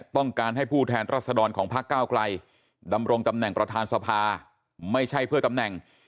ต้องการให้ผู้แทนรัศดรของพักเก้าไกลดำรงตำแหน่งประธานสภาไม่ใช่เพื่อตำแหน่ง